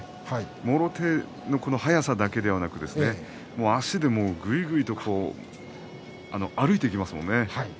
もろ手の速さだけではなく足でも、ぐいぐいと歩いていきますものね。